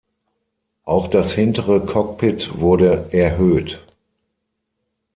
Auch das hintere Cockpit wurde erhöht.